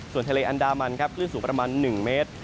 ส่วนทะเลอันดามันครับคลื่นสูงประมาณ๑เมตร